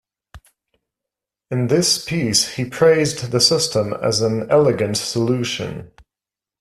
In this piece he praised the system as "an elegant solution".